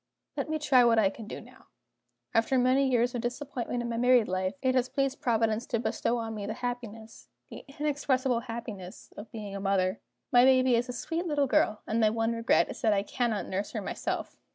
"Let me try what I can do now. After many years of disappointment in my married life, it has pleased Providence to bestow on me the happiness the inexpressible happiness of being a mother. My baby is a sweet little girl; and my one regret is that I cannot nurse her myself."